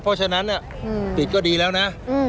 เพราะฉะนั้นปิดก็ดีแล้วนะ